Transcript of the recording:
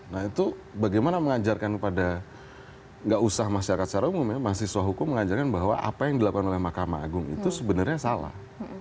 nah itu bagaimana mengajarkan kepada nggak usah masyarakat secara umum ya mahasiswa hukum mengajarkan bahwa apa yang dilakukan oleh mahkamah agung itu sebenarnya salah